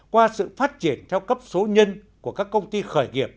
qua sự phát triển theo cấp số nhân của các công ty khởi nghiệp